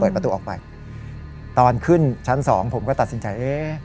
ประตูออกไปตอนขึ้นชั้นสองผมก็ตัดสินใจเอ๊ะ